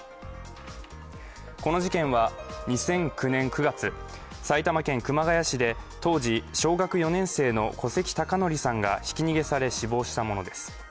この事件は２００９年９月、埼玉県熊谷市で当時小学４年生の小関孝徳さんがひき逃げされ死亡したものです。